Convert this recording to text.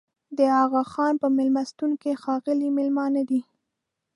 د اغاخان په مېلمستون کې ښاغلي مېلمانه دي.